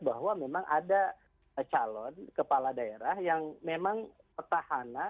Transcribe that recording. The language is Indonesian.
bahwa memang ada calon kepala daerah yang memang petahana